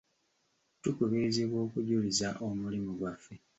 Tukubirizibwa okujuliza omulimu gwaffe.